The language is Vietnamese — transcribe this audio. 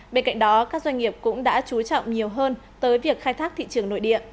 bên cạnh đó các doanh nghiệp cũng đã chú trọng nhiều hơn tới việc khai thác thị trường nội địa